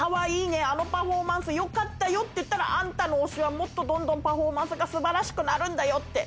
あのパフォーマンス良かったよ」って言ったらあんたの推しはどんどんパフォーマンスが素晴らしくなるんだよって。